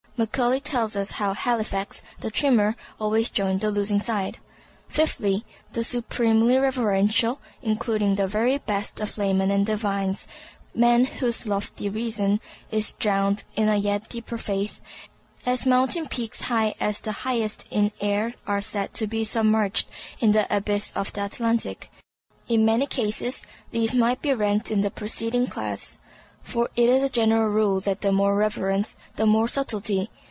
Macaulay tells us how Halifax, the Trimmer, always joined the losing side. Fifthly, the supremely reverential, including the very best of the laymen and divines; men whose lofty reason is drowned in a yet deeper faith, as mountain peaks high as the highest in air are said to be submerged in the abysses of the Atlantic. In many cases these might be ranked in the preceding class; for it is a general rule that the more reverence, the more subtlety.